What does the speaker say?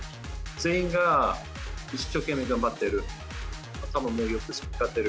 全員が一生懸命頑張ってる。